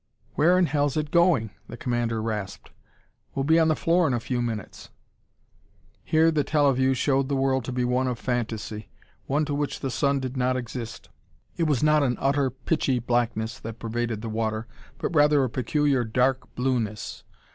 "Where in hell's it going?" the commander rasped. "We'll be on the floor in a few minutes!" Here the teleview showed the world to be one of fantasy, one to which the sun did not exist. It was not an utter, pitchy blackness that pervaded the water, but rather a peculiar, dark blueness.